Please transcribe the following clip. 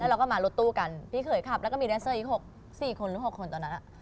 เราก็มารถตู้กันพี่เขยขับแล้วก็มีแดนเซอร์อีก๔คนหรือ๖คนตอนนั้น